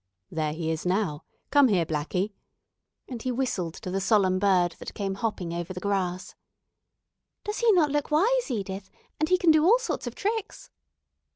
"There he is now. Come here, 'Blackie,'" and he whistled to the solemn bird that came hopping over the grass. "Does he not look wise, Edith? and he can do all sorts of tricks."